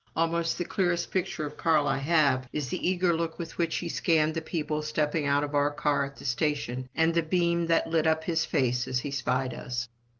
Almost the clearest picture of Carl I have is the eager look with which he scanned the people stepping out of our car at the station, and the beam that lit up his face as he spied us.